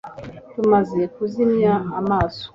Tumaze kuzimya amaso